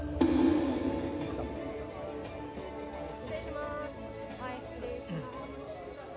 前失礼します